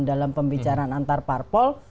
dalam pembicaraan antarparpol